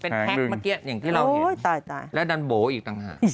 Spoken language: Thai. เป็นแพ็คเมื่อกี้อย่างที่เราเห็นแล้วดันโบอีกต่างหาก